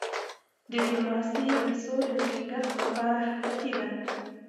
ډيپلوماسي د سولې د ټینګښت لپاره حیاتي ده.